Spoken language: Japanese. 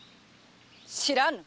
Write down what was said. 知らぬ！